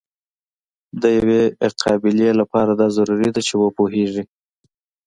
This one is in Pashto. د یوې قابلې لپاره دا ضرور ده چې وپوهیږي.